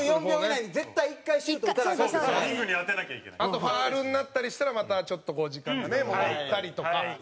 あとファウルになったりしたらまた、ちょっと時間がね、戻ったりとか。